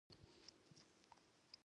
هغه تر لس دقيقې ډېر وخت چوپ پاتې شو.